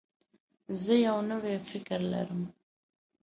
زه یو نوی فکر لرم.